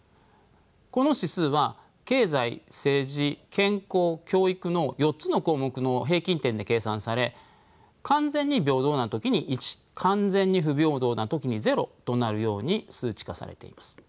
この指数は経済・政治・健康・教育の４つの項目の平均点で計算され完全に平等な時に１完全に不平等な時に０となるように数値化されています。